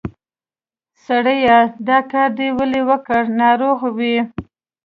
سړیه! دا کار دې ولې وکړ؟ ناروغ وې؟